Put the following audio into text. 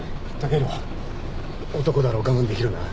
男だろう我慢できるな？